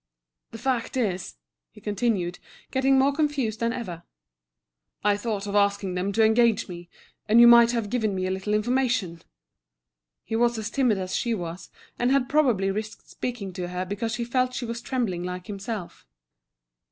"The fact is," he continued, getting more confused than ever, "I thought of asking them to engage me, and you might have given me a little information." He was as timid as she was, and had probably risked speaking to her because he felt she was trembling like himself.